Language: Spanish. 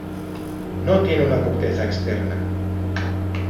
No tiene una corteza externa.